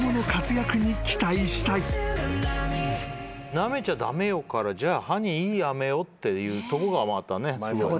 「なめちゃ駄目よ」から「じゃあ歯にいいあめを」っていうとこがまたねすごいね。